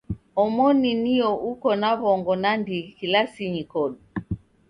Omoni nio uko na w'ongo nandighi kilasinyi kodu.